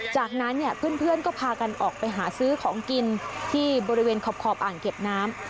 จากนั้นเนี่ยเพื่อนก็พากันออกไปหาซื้อของกินที่บริเวณขอบอ่างเก็บน้ำ